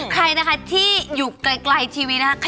ใครนะคะที่อยู่ไกลทีวีนะคะ